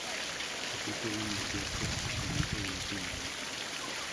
Se cultiva en los huertos al comienzo de la primavera.